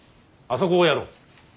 あそこをやろう。